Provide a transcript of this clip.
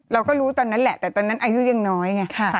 เราก็รู้ตอนนั้นแหละแต่ตอนนั้นอายุยังน้อยไง